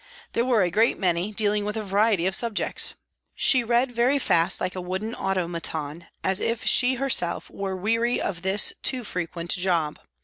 There were a great many dealing with a variety of subjects. She read very fast like a wooden automaton, as if she herself were weary of this too frequent job.